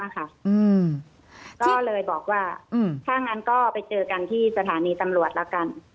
ก็เลยบอกว่าถ้างั้นก็ไปเจอกันที่สถานีตำรวจละกัน